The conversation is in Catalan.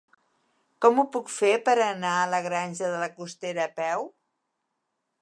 Com ho puc fer per anar a la Granja de la Costera a peu?